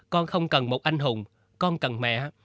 con không cần một anh hùng con cần mẹ